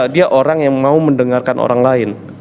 dia orang yang mau mendengarkan orang lain